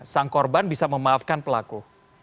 sang korban bisa memaafkan pelaku